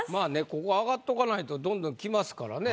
ここ上がっとかないとどんどん来ますからね。